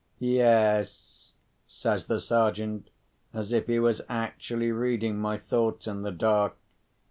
"Yes," says the Sergeant, as if he was actually reading my thoughts in the dark.